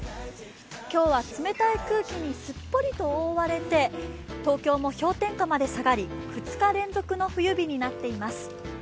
今日は冷たい空気にすっぽりと覆われて東京も氷点下まで下がり２日連続の冬日になっています。